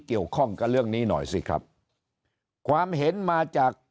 เกี่ยวข้องกับเรื่องนี้หน่อยสิครับความเห็นมาจาก